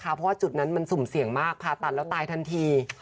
เพราะว่าจุดนั้นมันสุ่มเสี่ยงมากผ่าตัดแล้วตายทันที